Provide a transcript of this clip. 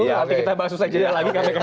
nanti kita bahas susahnya lagi kami akan